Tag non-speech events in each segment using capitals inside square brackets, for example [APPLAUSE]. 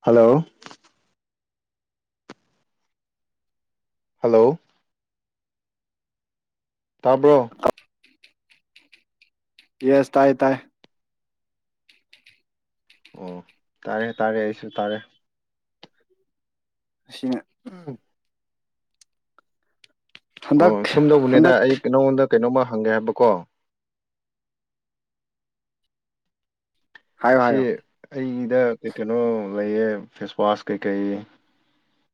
Hello hello ꯇꯥꯕ꯭ꯔꯣ yes ꯇꯥꯏ ꯇꯥꯏ ꯑꯣ ꯇꯥꯔꯦ ꯇꯥꯔꯦ ꯑꯩꯁꯨ ꯇꯥꯔꯦ ꯁꯤꯅ ꯎꯝ ꯑꯣ ꯍꯟꯗꯛ ꯁꯨꯝ ꯇꯧꯕꯅꯦꯗ ꯍꯟꯗꯛ ꯑꯩ ꯅꯪꯉꯣꯟꯗ ꯀꯩꯅꯣꯝꯃ ꯍꯪꯒꯦ ꯍꯥꯏꯕꯀꯣ ꯍꯥꯏꯌꯣ ꯑꯁꯤ ꯍꯥꯏꯌꯣ ꯑꯩ꯫ ꯁꯤꯗ ꯀꯩ ꯀꯩꯅꯣ ꯂꯩꯌꯦ ꯐꯦꯁꯋꯥꯁ ꯀꯩꯀꯩ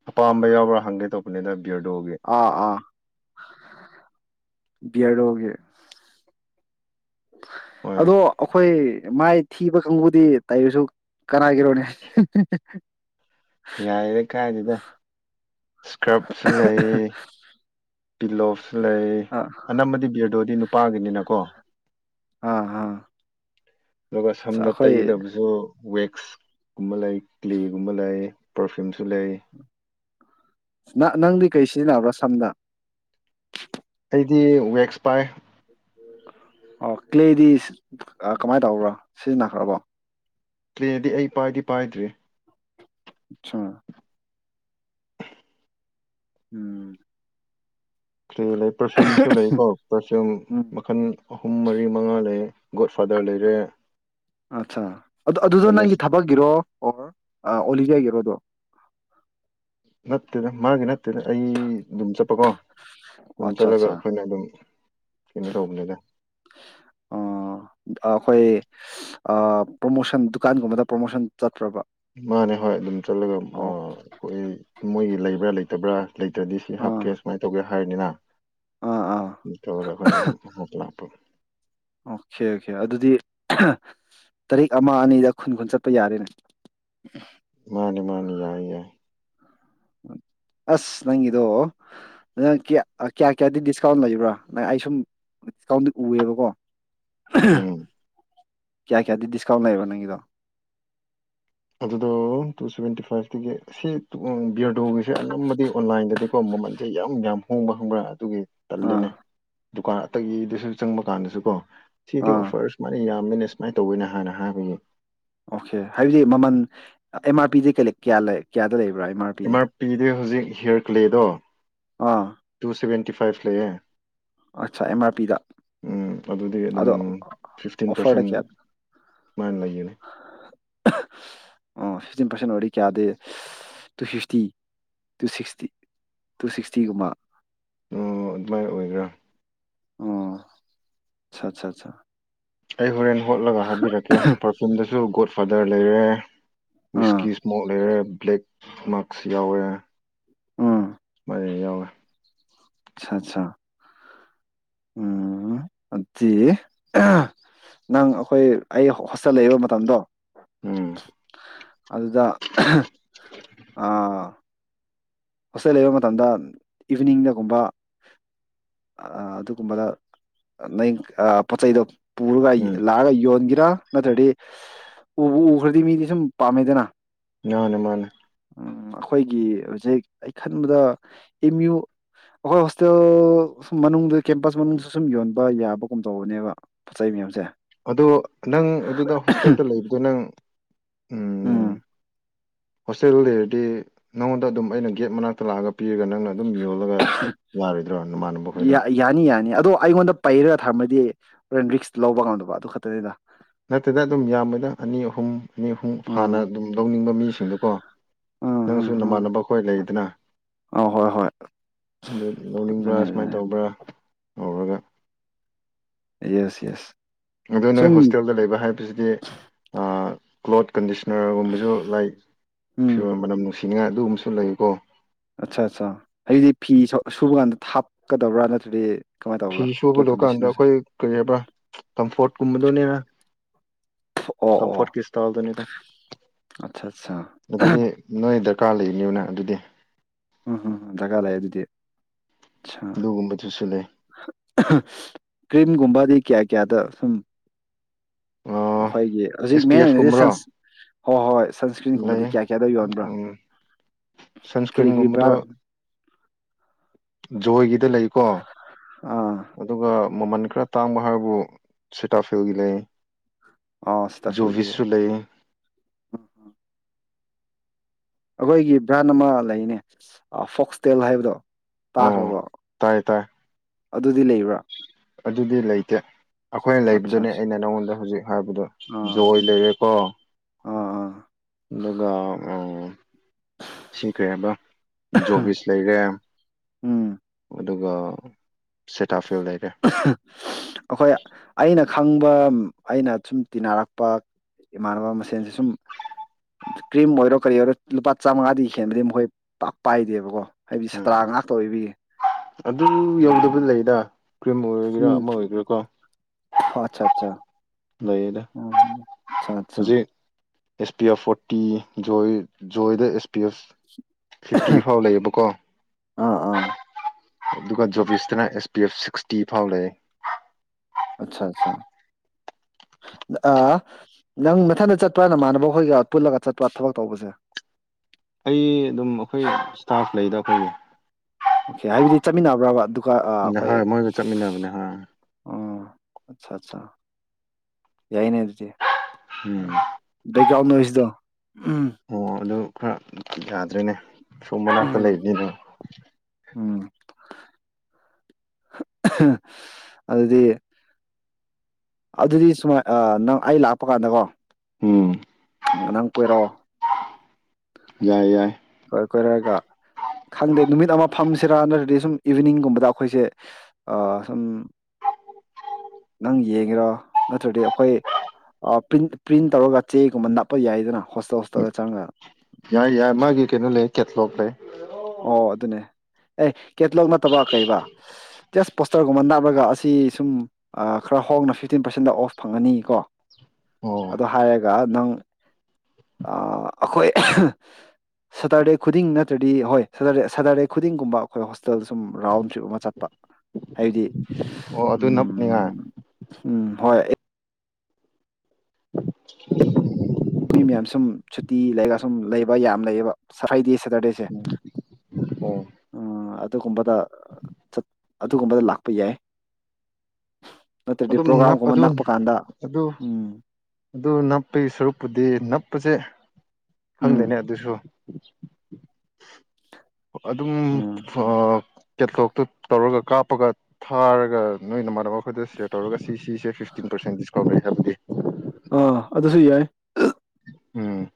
ꯑꯄꯥꯝꯕ ꯌꯥꯎꯕ꯭ꯔꯥ ꯍꯪꯒꯦ ꯇꯧꯕꯅꯤꯗ꯫ ꯕꯤꯌ꯭ꯔꯗꯣꯒꯤ꯫ ꯑꯥ ꯕꯤꯌ꯭ꯔꯗꯣꯒꯦ꯫ ꯍꯣꯏ ꯑꯗꯣ ꯑꯩꯈꯣꯏ꯫ ꯃꯥꯏ ꯊꯤꯕ ꯀꯥꯡꯕꯨꯗꯤ ꯇꯩꯔꯁꯨ ꯀꯅꯥꯒꯤꯔꯣꯅꯦ꯫ ꯌꯥꯏꯔꯦ ꯀꯥꯏꯗꯦꯗ ꯏꯁꯀ꯭ꯔꯞꯁꯨ ꯂꯩ꯫ ꯄꯤꯜꯂꯣꯐ꯫ ꯂꯩ ꯑꯥ ꯑꯅꯝꯕꯗꯤ ꯕꯤꯌ꯭ꯔꯗꯣꯗꯤ ꯅꯨꯄꯥꯒꯤꯅꯤꯅ ꯀꯣ꯫ ꯑꯥ ꯑꯥ꯫ ꯑꯗꯨꯒ ꯁꯝꯅ ꯑꯩꯈꯣꯏ ꯇꯩꯒꯗꯕꯁꯨ ꯋꯦꯛꯁ꯫ ꯀꯨꯝꯕ ꯂꯩ ꯀ꯭ꯂꯦꯒꯨꯝꯕ ꯂꯩ ꯄꯔꯐ꯭ꯌꯨꯝꯁꯨ ꯂꯩ꯫ ꯅꯪꯗꯤ ꯀꯩ ꯁꯤꯖꯤꯟꯅꯕ꯭ꯔ ꯁꯝꯅ꯫ ꯑꯩꯗꯤ ꯋꯦꯛꯁ ꯄꯥꯏ꯫ ꯑꯣ ꯀ꯭ꯂꯦꯗꯤ ꯀꯃꯥꯏꯅ ꯇꯧꯕ꯭ꯔꯥ ꯁꯤꯖꯤꯟꯅꯈ꯭ꯔꯕꯣ꯫ ꯀ꯭ꯂꯦꯗꯤ ꯑꯩ ꯄꯥꯏꯗꯤ ꯄꯥꯏꯗ꯭ꯔꯤ꯫ ꯑꯆꯥꯥ꯫ ꯎꯝ꯫ ꯀ꯭ꯂꯦ ꯂꯩ ꯄꯔꯐꯤꯌꯨꯝꯁꯨ ꯂꯩꯀꯣ ꯄꯔꯐꯤꯌꯨꯝ ꯎꯝ ꯃꯈꯜ ꯑꯍꯨꯝ ꯃꯔꯤ ꯃꯉꯥ ꯂꯩ꯫ ꯒꯣꯗ ꯐꯥꯗꯔ ꯂꯩꯔꯦ ꯑꯠꯆꯥ ꯑꯗꯨ ꯑꯗꯨꯗꯣ ꯑꯦꯂꯤꯁ ꯅꯪꯒꯤ ꯊꯕꯛꯒꯤꯔꯣ꯫ ꯑꯣ ꯑꯣꯂꯤꯕꯤꯌꯥꯒꯤ ꯔꯣ ꯑꯗꯣ꯫ ꯅꯠꯇꯦꯗ ꯃꯥꯒꯤ ꯅꯠꯇꯦꯗ ꯑꯩ ꯑꯗꯨꯝ ꯆꯠꯄꯀꯣ꯫ ꯑꯗꯨꯝ ꯑꯠꯆꯥ ꯆꯠꯂꯒ ꯑꯠꯆꯥ ꯑꯩꯈꯣꯏꯅ ꯑꯗꯨꯝ ꯀꯩꯅꯣ ꯇꯧꯕꯅꯤꯗ꯫ ꯑꯣ ꯑꯩꯈꯣꯏ ꯄ꯭ꯔꯣꯃꯣꯁꯟ ꯗꯨꯀꯥꯟꯒꯨꯝꯕꯗ ꯄ꯭ꯔꯣꯃꯣꯁꯟ ꯆꯠꯄ꯭ꯔꯕ꯫ ꯃꯥꯅꯦ ꯍꯣꯏ ꯑꯗꯨꯝ ꯆꯠꯂꯒ ꯑꯩꯈꯣꯏ ꯃꯣꯏꯒꯤ ꯂꯩꯕ꯭ꯔꯥ ꯂꯩꯇ꯫ ꯂꯩꯇꯕ꯭ꯔ꯫ ꯂꯩꯇ꯭ꯔꯗꯤ ꯁꯤ ꯑꯥ ꯍꯥꯞꯀꯦ ꯁꯨꯃꯥꯏ ꯇꯧꯒꯦ꯫ ꯍꯥꯏꯅꯤꯅ꯫ ꯑꯥ ꯑꯥ ꯇꯧꯔꯥꯒ ꯑꯩꯈꯣꯏꯅ ꯑꯗꯨꯝ [UNINTELLIGIBLE] ꯑꯣꯀꯦ ꯑꯣꯀꯦ ꯑꯗꯨꯗꯤ ꯇꯔꯤꯛ ꯑꯃ ꯑꯅꯤꯗ ꯈꯨꯟ ꯈꯨꯟ ꯆꯠꯄ ꯌꯥꯔꯦꯅꯦ꯫ ꯃꯥꯅꯤ ꯃꯥꯅꯤ ꯌꯥꯏꯌꯥꯢ꯫ ꯑꯁ ꯅꯪꯒꯤꯗꯣ ꯅꯪ ꯀꯌꯥ ꯀꯌꯥꯗꯤ ꯗꯤꯁꯀꯥꯎꯟ ꯂꯩꯕ꯭ꯔꯥ ꯅꯪ ꯑꯩ ꯁꯨꯝ ꯗꯤꯁꯀꯥꯎꯟꯗꯤ ꯎꯑꯦꯕꯀꯣ꯫ [UNINTELLIGIBLE] ꯎꯝ ꯀꯌꯥ ꯀꯌꯥꯗꯤ ꯗꯤꯁꯀꯥꯎꯟ ꯂꯩꯕ ꯅꯪꯒꯤꯗꯣ꯫ ꯑꯗꯨꯗꯣ ꯇꯨꯁꯚꯦꯟꯇꯤ ꯐꯥꯏꯚꯇꯒꯤ ꯁꯤ ꯕꯤꯌ꯭ꯔꯗꯣꯒꯤꯁꯦ ꯑꯅꯝꯕꯗꯤ ꯑꯣꯟꯂꯥꯏꯟꯗꯗꯤꯀꯣ ꯃꯃꯟꯁꯦ ꯌꯥꯝ ꯌꯥꯝ ꯍꯣꯡꯕ ꯈꯪꯕ꯭ꯔꯥ ꯑꯗꯨꯒꯤ꯫ ꯑꯥ ꯇꯜꯂꯤꯅꯦ꯫ ꯗꯨꯀꯥꯟ ꯑꯇꯩꯒꯤꯗꯁꯨ ꯆꯪꯕ ꯀꯥꯟꯗꯁꯨ ꯀꯣ ꯁꯤꯗꯤ ꯑꯥ ꯑꯣꯐꯔꯁ ꯃꯌꯥꯝ ꯁꯨꯃꯥꯏꯅ ꯇꯧꯕꯦꯅ ꯍꯥꯟꯅ ꯍꯥꯏꯕꯒꯤ ꯑꯣꯀꯦ ꯍꯥꯏꯕꯗꯤ ꯃꯃꯜ ꯑꯦꯝ ꯑꯥꯔ ꯄꯤꯗꯤ ꯀꯌꯥ ꯀꯌꯥꯗ ꯂꯩꯕ ꯑꯦꯝ ꯑꯔꯄꯤꯗꯤ ꯍꯧꯖꯤꯛ ꯍꯦꯛꯒꯠꯂꯦꯗꯣ ꯑꯥ ꯇꯨ ꯁꯚꯦꯟꯇ ꯐꯥꯏꯚ ꯂꯩꯌꯦ ꯑꯠꯆꯥ ꯑꯦꯝ ꯑꯥꯔ ꯄꯤꯗ ꯎꯝ ꯑꯗꯨꯗꯤ ꯑꯗꯨꯝ ꯑꯗꯣ ꯐꯤꯐꯇꯤꯟ ꯑꯣꯐꯔꯗ ꯄꯥꯔꯁꯦꯟ ꯀꯌꯥ ꯁꯨꯃꯥꯏꯅ ꯂꯩꯒꯅꯤ ꯑꯣ ꯁꯤꯛꯏꯇꯤꯟ ꯄꯥꯔꯁꯦꯟ ꯑꯣꯏꯗꯤ ꯀꯌꯥꯗꯦ to sixty to sixty to ꯁꯤꯛꯁꯇꯤꯒꯨꯝꯕ ꯑꯣ ꯑꯗꯨꯃꯥꯏꯅ ꯑꯣꯏꯒ꯭ꯔꯥ ꯑꯣ ꯑꯠꯆꯥ ꯑꯆꯥ ꯑꯩ ꯍꯣꯔꯦꯟ ꯍꯣꯠꯂꯒ ꯍꯥꯏꯕꯤꯔꯛꯀꯦ ꯄꯔꯐ꯭ꯌꯨꯝꯗꯁꯨ ꯒꯣꯠ ꯗ ꯂꯩꯔꯦ ꯑꯥ ꯋꯤꯁꯀꯤ ꯏꯁꯃꯣꯛ ꯂꯩꯔꯦ ꯕ꯭ꯂꯦꯛ ꯃꯥꯔꯁ ꯌꯥꯎꯋꯦ ꯑꯝ ꯐꯔ ꯌꯥꯎꯋꯦ ꯑꯆꯥ ꯑꯠꯆꯥ ꯎꯝ ꯑꯗꯨꯗꯤ ꯅꯪ ꯑꯩꯈꯣꯏ ꯑꯩ ꯍꯣꯁꯇꯦꯜ ꯂꯩꯕ ꯃꯇꯝꯗꯣ ꯎꯝ ꯑꯗꯨꯗ ꯑ ꯍꯣꯁꯇꯦꯜ ꯂꯩꯕ ꯃꯇꯝꯗ ꯏꯚꯤꯅꯤꯡꯗꯒꯨꯝꯕ ꯑꯗꯨꯒꯨꯝꯕꯗ ꯅꯪ ꯄꯣꯠ ꯆꯩꯗꯣ ꯄꯨꯔꯒ ꯎꯝ ꯂꯥꯛꯑꯒ ꯌꯣꯟꯒꯦꯔꯥ ꯅꯠꯇ꯭ꯔꯗꯤ ꯎꯕꯨ ꯎꯈ꯭ꯔꯗꯤ ꯃꯤꯗꯤ ꯁꯨꯝ ꯄꯥꯝꯃꯦꯗꯅ ꯃꯥꯅꯦ ꯃꯥꯅꯦ ꯑꯩꯈꯣꯏꯒꯤ ꯍꯧꯖꯤꯛ ꯑꯩ ꯈꯟꯕꯗ ꯑꯦꯝ ꯌꯨ ꯑꯩꯈꯣꯏ ꯍꯣꯁꯇꯦꯜ ꯃꯅꯨꯡꯗ ꯀꯦꯝꯄꯁ ꯃꯅꯨꯡꯗ ꯁꯨꯝ ꯌꯣꯟꯕ ꯌꯥꯕꯒꯨꯝ ꯇꯧꯕꯅꯦꯕ ꯄꯣꯠ ꯆꯩ ꯃꯌꯥꯝꯁꯦ ꯑꯗꯣ ꯅꯪ ꯑꯗꯨꯗ ꯍꯣꯁꯇꯦꯜꯗ ꯂꯩꯕꯗꯣ ꯅꯪ ꯎꯝ ꯍꯣꯁꯇꯦꯜ ꯂꯩꯔꯗꯤ ꯅꯉꯣꯟꯗ ꯑꯗꯨꯝ ꯑꯩꯅ ꯒꯦꯠ ꯃꯅꯥꯛꯇ ꯂꯥꯛꯑꯒ ꯄꯤꯔꯒ ꯅꯪ ꯑꯗꯨꯝ ꯌꯣꯜꯂꯒ ꯌꯥꯔꯣꯏꯗ꯭ꯔꯣ ꯅꯃꯥꯟꯅꯕ ꯈꯣꯏꯗ ꯌꯥ ꯌꯥꯅꯤ ꯌꯥꯅꯤ ꯑꯗꯣ ꯑꯩꯉꯣꯟꯗ ꯄꯩꯔꯒ ꯊꯝꯃꯗꯤ ꯔꯤꯛꯁ ꯂꯧꯕ ꯉꯝꯗꯕ ꯑꯗꯨ ꯈꯛꯇꯅꯤꯗ ꯅꯠꯇꯦꯗ ꯑꯗꯨꯝ ꯌꯥꯝꯃꯣꯏꯗ ꯑꯅꯤ ꯑꯍꯨꯝ ꯃꯤ ꯑꯍꯨꯝ ꯐꯥꯅ ꯎꯝ ꯑꯗꯨꯝ ꯂꯧꯅꯤꯡꯕ ꯃꯤꯁꯤꯡꯗꯨꯀꯣ ꯎꯝ ꯎꯝ ꯅꯪꯁꯨ ꯎꯝ ꯅꯃꯥꯟꯅꯕ ꯑꯩꯈꯣꯏ ꯂꯩꯗꯅ ꯑ ꯍꯣꯏ ꯍꯣꯏ ꯑꯗꯨ ꯑꯗꯨꯅꯦ ꯂꯧꯅꯤꯡꯕ꯭ꯔꯥ ꯁꯨꯃꯥꯏꯅ ꯑꯗꯨꯅꯦ ꯇꯧꯕ꯭ꯔꯥ ꯍꯧꯔꯒꯦ ꯌꯦꯁ ꯌꯦꯁ ꯑꯗꯨ ꯅꯣꯏ ꯁꯨꯝ ꯍꯣꯁꯇꯦꯜꯗ ꯂꯩꯕ ꯍꯥꯏꯕꯁꯤꯗꯤ ꯑ ꯀ꯭ꯂꯣꯠ ꯀꯟꯗꯤꯁꯅꯔꯒꯨꯝꯕꯁꯨ ꯂꯥꯏ ꯎꯝ ꯐꯤꯔꯣꯟ ꯃꯅꯝ ꯅꯨꯡꯁꯤ ꯁꯤꯡꯉ ꯑꯗꯨꯝꯕꯁꯨ ꯂꯩꯀꯣ ꯑꯠꯆꯥ ꯑꯠꯆꯥ ꯍꯥꯏꯗꯤ ꯐꯤ ꯁꯨꯕ ꯀꯥꯟꯗ ꯀꯠꯀꯗꯕ꯭ꯔꯥ ꯅꯠꯇ꯭ꯔꯗꯤ ꯀꯃꯥꯏꯅ ꯐꯤ ꯇꯧꯕ꯭ꯔꯥ ꯐ꯭ꯂꯣꯔ ꯁꯨꯕꯗꯀꯥꯟꯗ ꯀꯟꯗꯤꯁꯅꯔꯁꯦ ꯑꯩꯈꯣꯏ ꯀꯔꯤꯔꯕ꯭ꯔꯥ ꯀꯝꯐꯣꯔꯠꯀꯨꯝꯕꯗꯨꯅꯦ ꯑꯣ ꯑꯣ ꯀꯝꯐꯣꯔꯠ ꯀꯁ ꯇꯜꯗꯅꯤꯗ ꯑꯠꯆꯥ ꯑꯠꯆꯥ ꯑꯗꯨꯗꯤ ꯅꯣꯏꯗ ꯗꯔꯀꯥꯔ ꯂꯩꯔꯤꯅꯤꯅ ꯑꯗꯨꯗꯤ ꯎꯝ ꯍꯝ ꯗꯔꯀꯥꯔ ꯂꯩꯑꯦ ꯑꯗꯨꯗꯤ ꯑ ꯑꯗꯨꯒꯨꯝꯕꯗꯨꯁꯨ ꯂꯩ ꯀ꯭ꯔꯤꯝꯒꯨꯝꯕꯥꯗꯤ ꯀꯌꯥ ꯀꯌꯥꯗ ꯁꯨꯝ ꯑꯦꯁ ꯑꯩꯈꯣꯏꯒꯤ ꯍꯧꯖꯤꯛ ꯄꯤ ꯃꯦꯟ ꯑꯦꯐ ꯀꯨꯝꯕꯔꯣ ꯑꯣꯏꯅꯗꯤꯟ ꯍꯣꯏ ꯍꯣꯏ ꯁꯟꯁꯀ꯭ꯔꯤꯟꯒꯨꯝꯕꯗꯤ ꯂꯩ ꯀꯌꯥ ꯀꯌꯥꯗ ꯌꯣꯟꯕ꯭ꯔꯥ ꯎꯝ ꯀꯔꯤ ꯀꯔꯤ ꯕ꯭ꯔꯥ ꯒꯤ ꯗ ꯂꯩꯀꯣ ꯑꯥ ꯑꯗꯨꯒ ꯃꯃꯟ ꯈꯔ ꯇꯥꯡꯕ ꯍꯥꯏꯕꯕꯨ ꯁꯦꯇꯥ ꯐꯒꯤ ꯂꯩ ꯑꯣ ꯁ꯭ꯇꯥꯐꯤꯜꯒꯤꯗꯤ ꯨꯕꯤꯤꯁ ꯂꯩ ꯑꯩꯈꯣꯏꯒꯤ ꯕ꯭ꯔꯥꯟ ꯑꯃ ꯂꯩꯅꯦ ꯐꯣꯛꯁꯇꯦꯜ ꯍꯥꯏꯕꯗꯣ ꯑꯣ ꯇꯥꯈ꯭ꯔꯕꯣ ꯇꯥꯏ ꯇꯥꯏ ꯑꯗꯨꯗꯤ ꯂꯩꯕ꯭ꯔꯥ ꯑꯗꯨꯗꯤ ꯂꯩꯇꯦ ꯑꯩꯈꯣꯏꯅ ꯑꯠꯆꯥ ꯂꯩꯕꯗꯨꯅꯦ ꯑꯠꯆꯥ ꯑꯩꯅ ꯅꯪꯉꯣꯟꯗ ꯍꯧꯖꯤꯛ ꯍꯥꯏꯕꯗ ꯑꯥ ꯖꯣꯏ ꯂꯩꯔꯦꯀꯣ ꯑꯥ ꯑꯥ ꯑꯗꯨꯒ ꯎ ꯁꯤ ꯀꯔꯤ ꯍꯥꯏꯕ ꯖꯣꯕꯤꯁ ꯂꯩꯔꯦ ꯎꯝ ꯑꯗꯨꯒ ꯁꯦꯇꯥꯐꯤꯜ ꯂꯩꯔꯦ ꯑꯩꯈꯣꯏ ꯑꯩꯅ ꯈꯪꯕ ꯑꯩꯅ ꯁꯨꯝ ꯇꯤꯟꯅꯔꯛꯄ ꯏꯃꯥꯟꯅꯕ ꯃꯁꯦꯟꯁꯦ ꯁꯨꯝ ꯀ꯭ꯔꯤꯝ ꯑꯣꯏꯔꯣ ꯀꯔꯤ ꯑꯣꯏꯔꯣ ꯂꯨꯄꯥ ꯆꯥꯝꯃꯉꯥꯗꯤ ꯍꯦꯟꯕꯗꯤ ꯃꯈꯣꯏ ꯄꯥꯏꯗꯦꯕꯀꯣ ꯍꯥꯏꯕꯗꯤ ꯎꯝ ꯁꯥꯇ꯭ꯔꯥ ꯉꯥꯛꯇ ꯑꯣꯏꯕꯒꯤ ꯑꯗꯨ ꯌꯧꯗꯕꯗꯤ ꯑꯥ ꯂꯩꯗ ꯀ꯭ꯔꯤꯝ ꯑꯣꯏꯒꯦꯔꯥ ꯎꯝ ꯑꯃ ꯑꯣꯏꯒꯦꯔꯥ ꯀꯣ ꯑꯠꯆꯥ ꯑꯠꯆꯥ ꯂꯩꯌꯦꯗ ꯎꯝ ꯑꯠꯆꯥ ꯑꯠꯆꯥ ꯍꯧꯖꯤꯛ ꯑꯦꯁ ꯄꯤ ꯑꯦꯐ ꯐꯣꯔꯇꯤ ꯣꯏꯗ ꯑꯦꯁ ꯄꯤꯁ ꯁꯤꯛꯁꯇꯤ ꯐꯥꯎ ꯂꯩꯌꯦꯕꯀꯣ ꯑꯥ ꯑꯥ ꯑꯗꯨꯒ ꯖꯣꯕꯤꯁꯇꯅ ꯑꯦꯁ ꯄꯤ ꯑꯦꯐ ꯁꯤꯛꯁꯇꯤ ꯐꯥꯎ ꯂꯩ ꯑꯠꯆꯥ ꯑꯠꯆꯥ ꯅꯪ ꯃꯊꯟꯗ ꯆꯠꯄ ꯅꯃꯥꯟꯅꯕ ꯑꯩꯈꯣꯏꯒ ꯄꯨꯜꯂꯒ ꯆꯠꯄ ꯊꯕꯛ ꯇꯧꯕꯁꯦ ꯑꯩ ꯑꯗꯨꯝ ꯑꯩꯈꯣꯏ ꯏꯁꯇꯥꯐ ꯂꯩꯗ ꯑꯩꯈꯣꯏꯒꯤ ꯑꯣꯀꯦ ꯍꯥꯏꯕꯗꯤ ꯆꯠꯃꯤꯟꯅꯕ꯭ꯔꯕ ꯑꯗꯨ ꯑ ꯑꯩꯈꯣꯏ ꯍꯣꯏ ꯃꯣꯏꯒ ꯆꯠꯃꯤꯟꯅꯕꯅꯦ ꯍꯣꯏ ꯎꯝ ꯑꯆꯥ ꯑꯠꯆꯥ ꯌꯥꯏꯅꯦ ꯇꯆꯦ ꯎꯝ ꯗꯀꯥꯎꯅꯁꯤꯗ ꯑꯣ ꯑꯗꯨ ꯈꯔ ꯌꯥꯗ꯭ꯔꯤꯅꯦ ꯁꯣꯃꯅꯇ ꯎꯝ ꯂꯩꯕꯤꯅ ꯎꯝ ꯑꯗꯨꯗꯤ ꯑꯗꯨꯗꯤ ꯁꯨꯃꯥꯏ ꯅꯪ ꯑꯩ ꯂꯥꯛꯄ ꯀꯥꯟꯗꯀꯣ ꯎꯝ ꯅꯪ ꯀꯣꯏꯔꯛꯑꯣ ꯌꯥꯏ ꯌꯥꯏ ꯀꯣꯏ ꯀꯣꯏꯔꯒ ꯈꯪꯗꯦ ꯅꯨꯃꯤꯠ ꯑꯃ ꯐꯝꯁꯤꯔꯥ ꯅꯠꯇ꯭ꯔꯗꯤ ꯁꯨꯝ ꯏꯚꯤꯅꯤꯡꯒꯨꯝꯕꯗ ꯑꯩꯈꯣꯏꯁꯦ ꯁꯨꯝ ꯅꯪ ꯌꯦꯡꯉꯔꯣ ꯅꯠꯇ꯭ꯔꯗꯤ ꯑꯩꯈꯣꯏ꯭ꯔꯤꯟ ꯄ꯭ꯔꯤꯟ ꯇꯧꯔꯒ ꯆꯦꯒꯨꯝꯕ ꯅꯞꯄ ꯌꯥꯏꯗꯅ ꯍꯣꯁꯇꯜ ꯍꯣꯁꯇꯜꯗ ꯆꯪꯉꯒ ꯌꯥ ꯌꯥ ꯃꯥꯒꯤꯦ ꯀꯩꯅꯣ ꯂꯩ ꯀꯠꯂꯄꯔꯦ ꯑꯣ ꯑꯗꯨꯅꯦ ꯑꯦ ꯀꯦꯇꯂꯣꯛ ꯅꯠꯇꯕ ꯀꯩꯕꯥ ꯇꯦꯁ ꯄꯣꯁꯇꯔꯒꯨꯝꯕ ꯅꯅꯥꯞꯂꯒ ꯑꯁꯤ ꯁꯨꯝ ꯈꯔ ꯍꯣꯡꯅ ꯐꯤꯐꯇꯤꯟ ꯄꯥꯔꯁꯦꯟꯗ ꯑꯣꯐ ꯐꯪꯉꯅꯤ ꯀꯣ ꯑꯣ ꯑꯗꯨꯗꯣ ꯍꯥꯏꯌꯦꯒ ꯅꯪ ꯑꯩꯈꯣꯏ ꯁꯇꯔꯗꯦ ꯈꯨꯗꯤꯡ ꯅꯠꯇ꯭ꯔꯗꯤ ꯍꯣꯏ ꯁꯇꯔꯗꯦ ꯁꯇꯔꯗꯦ ꯈꯨꯗꯤꯡꯒꯨꯝꯕ ꯑꯩꯈꯣꯏ ꯍꯣꯁꯇꯦꯜ ꯁꯨꯝ ꯔꯥꯎꯟ ꯇ꯭ꯔꯤꯞ ꯑꯃ ꯆꯠꯄ ꯍꯥꯏꯗꯤ ꯑꯣ ꯑꯗꯨ ꯅꯞꯅꯤꯉꯥꯏ ꯎꯝ ꯍꯣꯏ [INAUDIBLE] ꯃꯤ ꯃꯌꯥꯝ ꯁꯨꯝ ꯁꯨꯇꯤ ꯂꯩꯔ ꯁꯨꯝ ꯂꯩꯕ ꯌꯥꯝ ꯂꯩꯌꯦꯕ ꯁꯈꯥꯏꯗꯦ ꯁꯦꯇ꯭ꯔꯗꯦꯁꯦ ꯑꯣ ꯎꯝ [INAUDIBLE] ꯆꯠ ꯑꯗꯨꯒꯨꯝꯕꯗ ꯂꯥꯛꯄ ꯌꯥꯏ ꯅꯠꯇ꯭ꯔꯗꯤ ꯑꯗꯨꯝ ꯅꯞ ꯄ꯭ꯔꯣꯒ꯭ꯔꯥꯝꯒꯨꯝꯕ ꯑꯗꯨ ꯅꯛꯄ ꯀꯥꯟꯗ ꯑꯗꯨ ꯎꯝ ꯑꯗꯨ ꯅꯞꯄꯒꯤ ꯁꯔꯨꯛꯄꯨꯗꯤ ꯅꯞ ꯎꯆꯁꯦ ꯎꯝ ꯈꯪꯗꯦꯅꯦ ꯑꯗꯨꯁꯨ [INAUDIBLE] ꯑꯗꯨꯝ ꯎꯝ ꯑ ꯀꯦꯊꯣꯛꯇꯨ ꯇꯧꯔꯒ ꯀꯥꯞꯄꯒ ꯊꯥꯔꯒ ꯅꯣꯏꯅ ꯃꯅ ꯑꯩꯈꯣꯏꯗ ꯁꯤꯌꯔ ꯇꯧꯔꯒ ꯁꯤꯁꯦ ꯐꯤꯐꯇꯤꯟ ꯄꯔꯦꯟ ꯗꯤꯀꯟ ꯂꯩ ꯍꯥꯏꯕꯗꯤ [INAUDIBLE] ꯑꯥ ꯑꯗꯨꯁꯨ ꯌꯥꯏ ꯎꯝ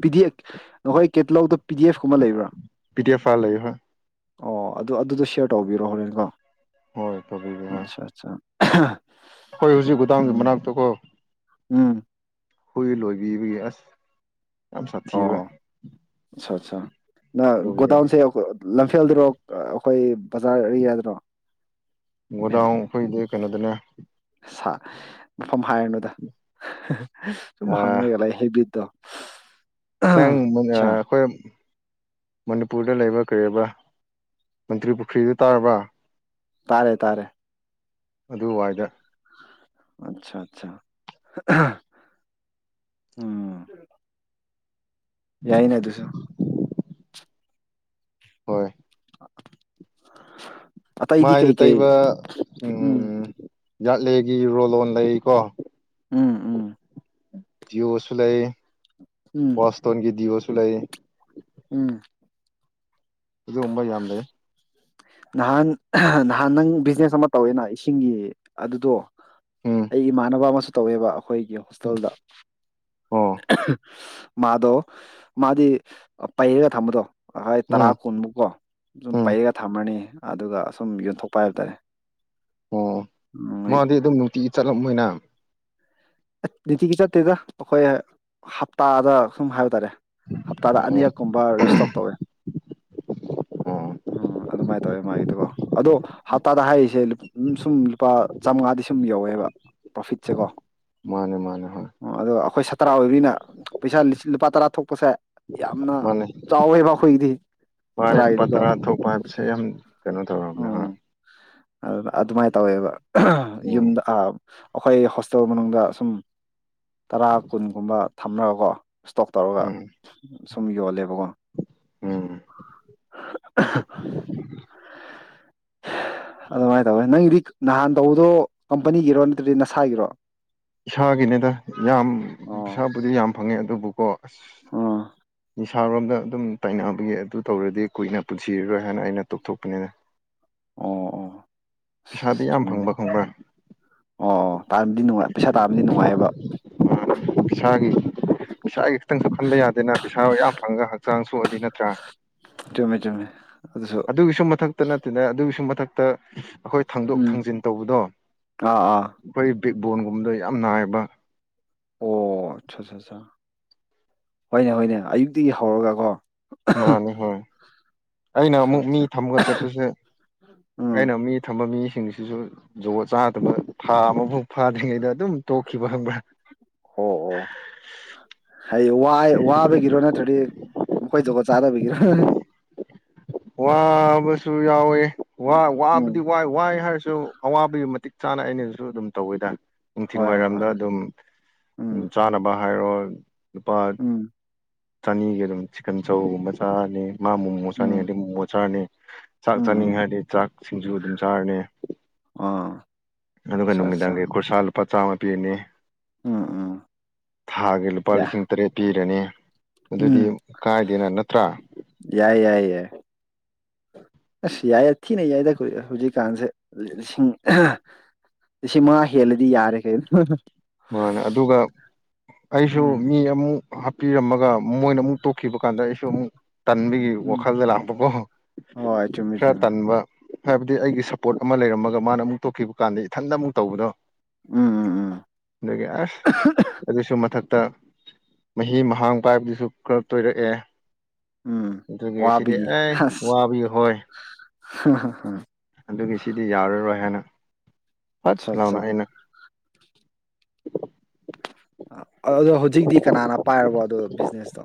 ꯄꯤꯗꯤ ꯅꯈꯣꯏ ꯀꯦꯇꯂꯧꯗ ꯄꯤ ꯗꯤ ꯑꯦꯐ ꯀꯨꯝꯕ ꯂꯩꯕ꯭ꯔꯥ [UNINTELLIGIBLE] ꯑꯣ ꯑꯗꯨ ꯑꯗꯨꯗꯣ ꯁꯤꯦꯌꯔ ꯇꯧꯕꯤꯔꯣ ꯍꯣꯔꯦꯟꯀꯣ ꯍꯣꯏ ꯇꯕꯤꯒꯤꯍꯥ ꯑ ꯑꯩꯈꯣꯏ ꯍꯧꯖꯤꯛ ꯗꯥꯝꯒꯤ ꯃꯅꯥꯛꯇꯀꯣ ꯎꯝ ꯍꯨꯏ ꯂꯣꯏꯕꯤꯕꯒꯤ ꯑꯁ ꯌꯥꯝ ꯑꯣ ꯁꯥꯊꯤꯕ ꯑꯆꯥ ꯑꯠꯆꯥ ꯅ ꯑꯗꯨꯒꯤꯅꯤꯅꯦ ꯒꯣꯗꯥꯎꯟꯁꯦ ꯂꯝꯐꯦꯜꯗꯔꯣ ꯑꯩꯈꯣꯏ ꯕꯖꯥꯔ ꯑꯦꯔꯤꯌꯥꯗ꯭ꯔꯣ ꯣꯗꯥꯎ ꯑꯩꯈꯣꯏꯗꯤ ꯀꯩꯅꯣꯗꯅꯦ ꯎꯝ ꯁꯥ ꯃꯐꯝ ꯍꯥꯏꯔꯅꯨꯗ ꯁꯨꯝ ꯍꯪꯅꯔꯒ ꯂꯩ ꯍꯦꯕꯤꯠꯇꯣ ꯅꯪ ꯑꯠꯆꯥ ꯑꯩꯈꯣꯏ ꯃꯅꯤꯄꯨꯔꯗ ꯂꯩꯕ ꯀꯔꯤꯔꯤꯕ ꯃꯟꯇ꯭ꯔꯤ ꯄꯨꯈ꯭ꯔꯤꯗꯨ ꯇꯥꯔꯕ ꯇꯥꯔꯦ ꯇꯥꯔꯦ ꯑꯗꯨꯋꯥꯏꯗ ꯑꯆꯥ ꯑꯆꯥ ꯎꯝ ꯌꯥꯏꯅꯦ ꯑꯗꯨꯁꯨ ꯍꯣꯏ [INAUDIBLE] ꯃꯥꯏꯗ ꯀꯩꯀꯩ ꯇꯩꯕ ꯎꯝ ꯌꯥꯠꯂꯦꯒꯤ ꯔꯣꯂꯣ ꯂꯩꯀꯣ ꯎꯝ ꯎꯝ ꯇꯁꯂꯥꯏ ꯎꯝ ꯋꯥꯥꯁꯇꯣꯟ ꯀ ꯁ ꯆꯂꯥꯏꯌꯦ ꯎꯝ ꯏ ꯔꯝꯕ ꯌꯥꯗꯦ ꯅꯍꯥꯟ ꯅꯍꯥꯟ ꯅꯪ ꯕꯤꯖꯤꯅꯦꯁ ꯑꯃ ꯇꯧꯋꯦꯅ ꯏꯁꯤꯡꯒꯤ ꯑꯗꯨꯗꯣ ꯎꯝ ꯑꯩꯒꯤ ꯃꯥꯅꯅꯕ ꯑꯃꯁ ꯇꯧꯋꯦꯕ ꯑꯩꯈꯣꯏꯒꯤ ꯍꯣꯁꯇꯦꯜꯗ ꯑꯣ ꯃꯥꯗꯣ ꯃꯥꯗꯤ ꯄꯩꯔꯒ ꯊꯝꯕꯗꯣ ꯑꯍꯣꯏ ꯇꯔꯥ ꯎꯝ ꯀꯨꯟꯃꯨꯛꯀꯣ ꯑꯗꯨꯨꯝ ꯎꯝ ꯄꯩꯒ ꯊꯝꯃꯅꯤ ꯑꯗꯨꯒ ꯑꯁꯨꯝ ꯌꯣꯟꯊꯣꯛꯄ ꯍꯥꯏꯕ ꯇꯔꯦ ꯑꯣ ꯃꯥꯗꯤ ꯑꯗꯨꯝ ꯅꯨꯡꯇꯤꯒꯤ ꯆꯠꯂꯝꯕꯣꯏꯅ ꯅꯨꯡꯇꯤꯒꯤ ꯆꯠꯇꯦꯗ ꯑꯩꯈꯣꯏ ꯍꯞꯇꯥꯗ ꯁꯨꯝ ꯍꯥꯏꯕ ꯇꯥꯔꯦ ꯍꯞꯇꯥꯗ ꯑꯣ ꯑꯅꯤꯔꯛꯀꯨꯝꯕ ꯔꯤꯁꯇꯣꯛ ꯇꯧꯋꯦ ꯑꯣ ꯎꯝ ꯑꯗꯨ ꯃꯥꯥꯏ ꯇꯧꯋꯦ ꯃꯥꯒꯤꯗꯨꯀꯣ ꯑꯗꯣ ꯍꯞꯇꯥꯗ ꯍꯥꯏ ꯁꯨꯝ ꯂꯨꯄꯥ ꯆꯥꯝꯃꯉꯥꯗꯤ ꯁꯨꯝ ꯌꯧꯋꯦꯕ ꯄ꯭ꯔꯣꯐꯤꯠꯁꯦ ꯀꯣ ꯃꯥꯅꯦ ꯃꯥꯅꯦ ꯍꯣꯏ ꯇꯔꯥ ꯑꯣꯏꯕꯤꯅ ꯄꯩꯁꯥꯁꯤꯡ ꯂꯨꯄꯥ ꯇꯔꯥ ꯊꯣꯛꯄꯁꯦ ꯌꯥꯝꯅ ꯃꯥꯅꯦ ꯆꯥꯎꯋꯦꯕ ꯑꯩꯈꯣꯏꯒꯤꯗꯤ ꯃꯥꯅꯦ ꯂꯨꯄꯥ ꯁꯥꯇ꯭ꯔꯥꯒꯤꯗꯤꯀꯣ ꯇꯔꯥ ꯊꯣꯛꯄ ꯍꯥꯏꯕꯁꯦ ꯌꯥꯝ ꯀꯩꯅꯣ ꯇꯧꯔꯕꯅꯦ ꯍꯣꯏ ꯎꯝ ꯑꯗꯨꯃꯥꯏꯅ ꯇꯧꯋꯦꯕ ꯎꯝ ꯌꯨꯝꯗ ꯑ ꯑꯩꯈꯣꯏ ꯍꯣꯁ ꯇꯦꯜ ꯃꯅꯨꯡꯗ ꯁꯨꯝ ꯇꯔꯥ ꯀꯨꯟꯒꯨꯝꯕ ꯊꯝꯂꯒꯀꯣ ꯏꯁꯇꯣꯛ ꯇꯧꯔꯒ ꯎꯝ ꯁꯨꯝ ꯌꯣꯜꯂꯦꯕꯀꯣ ꯎꯝ ꯑꯗꯨꯃꯥꯏꯅ ꯇꯧꯋꯦ ꯅꯪꯒꯤꯗꯤ ꯅꯍꯥꯟ ꯇꯧꯕꯗꯣ ꯀꯝꯄꯅꯤꯒꯤꯔꯣ ꯅꯠꯇ꯭ꯔꯗꯤ ꯅꯁꯥꯒꯤꯔꯣ ꯏꯁꯥꯒꯤꯅꯦꯗ ꯌꯥꯝ ꯑꯣ ꯄꯩꯁꯥꯕꯨꯗꯤ ꯌꯥꯝ ꯐꯪꯉꯦ ꯑꯗꯨꯕꯨꯀꯣ ꯑꯥ [UNINTELLIGIBLE] ꯊꯥꯔꯣꯝꯗ ꯑꯗꯨꯝ ꯇꯥꯏꯅꯅꯕꯒꯤ ꯑꯗꯨ ꯇꯧꯔꯗꯤ ꯀꯨꯏꯅ ꯄꯨꯟꯁꯤꯔꯔꯣꯏ ꯍꯥꯏꯅ ꯑꯩꯅ ꯇꯣꯛꯊꯣꯛꯄꯅꯤꯅ ꯑꯣ ꯑꯣ ꯄꯩꯁꯥꯗꯤ ꯌꯥꯝ ꯆꯨꯝꯃꯤꯅꯦ ꯐꯪꯕ ꯈꯪꯕ꯭ꯔꯥ ꯑꯣ ꯑꯣ ꯇꯥꯗꯤ ꯅꯨꯡꯉꯥꯏ ꯄꯩꯁꯥ ꯇꯥꯕꯗꯤ ꯅꯨꯡꯉꯥꯏꯌꯦꯕ [UNINTELLIGIBLE] ꯈꯤꯇꯪꯁꯨ ꯈꯟꯕ ꯌꯥꯗꯦꯅ ꯄꯩꯁꯥ ꯌꯥꯝ ꯐꯪꯒ ꯍꯛꯆꯥꯡ ꯁꯣꯛꯑꯗꯤ ꯅꯠꯇ꯭ꯔꯥ ꯆꯨꯝꯃꯦ ꯆꯨꯝꯃꯦ ꯑꯗꯨꯁꯨ ꯑꯗꯨꯒꯤꯁꯨ ꯃꯊꯛꯇ ꯅꯠꯇꯦꯅꯦ ꯑꯗꯨꯒꯤꯁꯨ ꯃꯊꯛꯇ ꯇ ꯑꯩꯈꯣꯏ ꯊꯥꯡꯗꯣꯛ ꯎꯝ ꯊꯥꯡꯖꯤꯟ ꯇꯧꯕꯗꯣ ꯑꯥ ꯑꯥ ꯑꯩꯈꯣꯏ ꯕꯤꯛꯕꯣꯟꯒꯨꯝꯕꯗ ꯌꯥꯝ ꯅꯥꯏꯕ ꯑꯣ ꯑꯠ ꯁꯥ ꯁꯥ ꯍꯣꯏꯅꯦ ꯍꯣꯏꯅꯦ ꯑꯌꯨꯛꯇꯒꯤ ꯍꯧꯔꯒꯀꯣ ꯃꯥꯅꯦ ꯍꯣꯏ ꯑꯩꯅ ꯑꯠꯆꯥ ꯑꯃꯨꯛ ꯑꯠꯆꯥ ꯃꯤ ꯊꯃꯒ ꯆꯠꯄꯁꯦ ꯎꯝ ꯑꯩꯅ ꯃꯤ ꯊꯝꯕ ꯃꯤ ꯁꯤꯡꯁꯤꯁꯨ ꯖꯨꯒꯣꯠ ꯆꯥꯗꯕ ꯊꯥ ꯑꯃꯐꯥꯎ ꯐꯥꯗ꯭ꯔꯤꯉꯩꯗ ꯑꯗꯨꯝ ꯇꯣꯛꯈꯤꯕ ꯍꯪꯕ꯭ꯔꯥ ꯑꯣ ꯑꯣ ꯍꯥꯏ ꯋꯥ ꯋꯥꯕꯒꯤꯔꯣ ꯅꯠꯇ ꯅꯠꯇꯗꯤ ꯃꯈꯣꯏ ꯖꯨꯒꯣꯠ ꯆꯥꯗꯕ ꯒꯤꯔꯣ ꯋꯥꯕꯁꯨ ꯌꯥꯎꯋꯦ ꯋꯥꯏ ꯎꯝ ꯋꯥꯕꯨꯗꯤ ꯋꯥꯏ ꯋꯥꯏ ꯍꯥꯏꯔꯁ ꯨ ꯁꯨ ꯑꯋꯥꯕꯒꯤ ꯃꯇꯤꯛ ꯆꯥꯅ ꯑꯩꯅꯁꯨ ꯑꯗꯨꯝ ꯇꯧꯋꯤꯗ ꯍꯣꯏ ꯍꯣꯏ ꯅꯨꯡꯊꯤꯜꯋꯥꯏꯔꯝꯗ ꯍꯣꯏ ꯑꯗꯨꯝ ꯎꯝ ꯆꯥꯅꯕ ꯚꯥꯏꯔꯣꯟ ꯅꯤꯄꯥꯥꯟ ꯎꯝ ꯆꯅꯤꯒꯤ ꯑꯗꯨꯝ ꯆꯤꯛꯀꯟ ꯆꯧꯒꯨꯝꯕ ꯆꯥꯔꯅꯤ ꯃꯥ ꯃꯣꯃꯣ ꯎꯝ ꯆꯅꯤꯉꯗꯤ ꯃꯣꯃꯣ ꯆꯥꯔꯅꯤ ꯆꯥꯛ ꯎꯝ ꯆꯥꯅꯤꯡꯉꯦ ꯎꯝ ꯍꯥꯏꯔꯗꯤ ꯆꯥꯛꯁꯤꯡꯁꯨ ꯑꯗꯨꯝ ꯆꯥꯔꯅꯤ ꯑꯣ ꯑꯗꯨꯒ ꯑꯠꯆꯥ ꯑꯠꯆꯥ ꯅꯨꯃꯤꯗꯥꯡꯒꯤ ꯈꯣꯔꯁꯥ ꯄꯥ ꯆꯥꯝꯃ ꯄꯤꯅꯤ ꯎꯝ ꯎꯝ ꯊꯥꯒꯤ ꯂꯨꯄꯥ ꯌꯥ ꯂꯤꯁꯤꯡ ꯇꯔꯦꯠ ꯄꯤꯔꯅꯤ ꯑꯗꯨꯗꯤ ꯎꯝ ꯀꯥꯏꯗꯦꯅ ꯅꯠꯇ꯭ꯔꯥ ꯌꯥꯏ ꯌꯥꯏ ꯌꯥꯏ ꯑꯁ ꯌꯥꯏ ꯊꯤꯅ ꯌꯥꯏꯗ ꯀ ꯍꯧꯖꯤꯛꯀꯥꯟꯁꯦ ꯂꯤꯁꯤꯡ ꯂꯤꯁꯤꯡ ꯃꯉꯥ ꯍꯦꯜꯂꯗꯤ ꯌꯥꯔꯦ ꯀꯅꯣ ꯃꯥꯅꯦ ꯑꯗꯨꯒ ꯑꯩꯁꯨ ꯎꯝ ꯃꯤ ꯑꯃꯨꯛ ꯍꯥꯞꯄꯤꯔꯝꯃꯒ ꯃꯣꯏꯅ ꯑꯃꯨꯛ ꯇꯣꯛꯈꯤꯕ ꯀꯥꯟꯗ ꯑꯩꯁꯨ ꯑꯃꯨꯛ ꯇꯟꯕꯒꯤ ꯎꯝ ꯋꯥꯈꯜꯗ ꯂꯥꯛꯄꯀꯣ ꯍꯣꯏ ꯆꯨꯝꯃꯦ ꯈꯔ ꯆꯨꯝꯃꯦ ꯇꯟꯕ ꯍꯥꯏꯕꯗꯤ ꯑꯩꯒꯤ ꯁꯞꯄꯣꯔꯠ ꯑꯃ ꯂꯩꯔꯝꯃꯒ ꯃꯥꯅ ꯑꯃꯨꯛ ꯇꯣꯛꯈꯤꯕ ꯀꯥꯟꯗ ꯏꯊꯟꯇ ꯑꯃꯨꯛ ꯇꯧꯕꯗꯣ ꯎꯝ ꯎꯝ ꯎꯝ ꯑꯗꯒꯤ ꯑꯁ ꯑꯗꯨꯁꯨ ꯃꯊꯛꯇ ꯃꯍꯤ ꯃꯍꯥꯡ ꯄꯥꯏꯕꯗꯨꯁꯨ ꯈꯔ ꯇꯣꯏꯔꯛꯑꯦ ꯎꯝ ꯑꯗꯨꯒꯤ ꯁꯤꯗꯤ ꯋꯥꯕꯒꯤ ꯑꯦ ꯑꯁ ꯋꯥꯕꯒꯤ ꯍꯣꯏ ꯑꯗꯨꯒꯤ ꯁꯤꯗꯤ ꯌꯥꯔꯔꯣꯏ ꯍꯥꯏꯅ ꯍꯠ ꯑꯠꯆꯥ ꯂꯥꯎꯅ ꯑꯠꯆꯥ ꯑꯩꯅ ꯑꯣ ꯍꯧꯖꯤꯛꯇꯤ ꯀꯅꯥꯅ ꯄꯥꯏꯔꯕꯣ ꯑꯗꯣ ꯕꯤꯖꯤꯅꯦꯁꯇꯣ